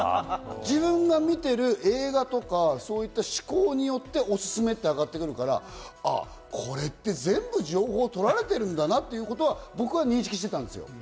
自分が見ている映画とか、そういった嗜好によっておすすめ上がってくるから、これって全部情報取られているんだなということは僕、認識してたんですよ。